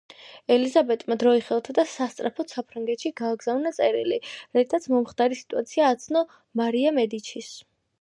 ელიზაბეტმა დრო იხელთა და სასწრაფოდ საფრანგეთში გააგზავნა წერილი, რითაც მომხდარი სიტუაცია ამცნო მარია მედიჩის.